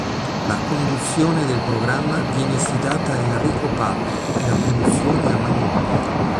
La conduzione del programma viene affidata a Enrico Papi e la produzione a Magnolia.